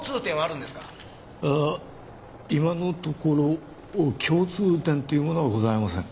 ああ今のところ共通点っていうものはございません。